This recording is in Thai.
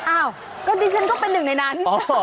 อ้าวก็ดิฉันก็เป็นหนึ่งในนั้น